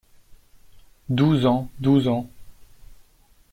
Douze ans douze ans